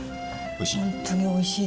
おいしい。